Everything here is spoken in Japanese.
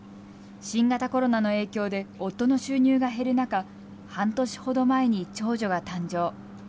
新型コロナの影響で夫の収入が減る中、半年ほど前に長女が誕生。